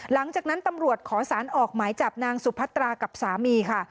หลังจากนั้นตำรวจขอสารออกหมายจับนางสุพัตรากับสามีค่ะ